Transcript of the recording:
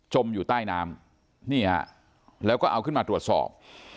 อยู่ใต้น้ำนี่ฮะแล้วก็เอาขึ้นมาตรวจสอบ